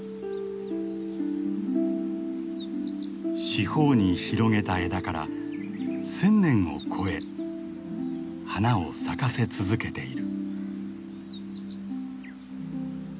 四方に広げた枝から１，０００年を超え花を咲かせ続けている。